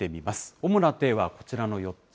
主なテーマはこちらの４つ。